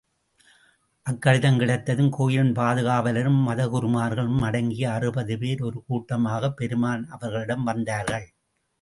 அக்கடிதம் கிடைத்ததும், கோயிலின் பாதுகாவலரும், மதகுருமார்களும் அடங்கிய அறுபது பேர், ஒரு கூட்டமாகப் பெருமானார் அவர்களிடம் வந்தார்கள்.